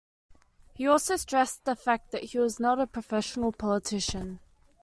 He also stressed the fact that he was not a professional politician.